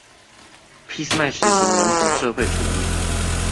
俾斯麥實行民族社會主義